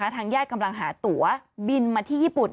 ทางญาติกำลังหาตัวบินมาที่ญี่ปุ่น